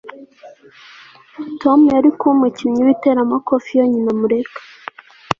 tom yari kuba umukinnyi w'iteramakofe iyo nyina amureka